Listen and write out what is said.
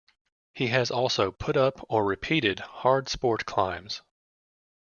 He has also put up or repeated hard sport climbs.